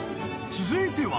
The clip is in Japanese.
［続いては］